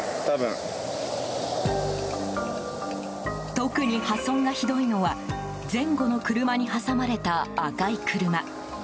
特に破損がひどいのは前後の車に挟まれた赤い車。